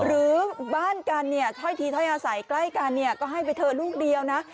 หรือบ้านกันเนี่ยถ้อยทีถ้อยอาศัยใกล้กันเนี่ยก็ให้ไปเถอะลูกเดียวนะ